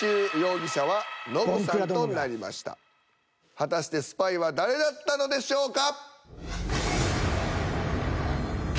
果たしてスパイは誰だったのでしょうか。